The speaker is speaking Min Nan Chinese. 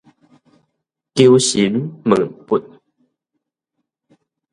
求神問佛